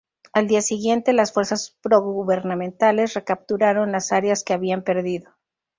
Al día siguiente, las fuerzas progubernamentales recapturaron las áreas que habían perdido.